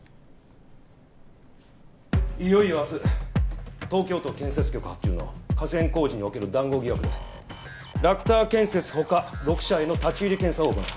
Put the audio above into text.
いよいよ明日東京都建設局発注の河川工事における談合疑惑でラクター建設他６社への立入検査を行う。